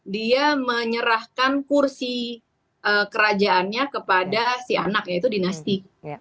dia menyerahkan kursi kerajaannya kepada si anak yaitu dinasti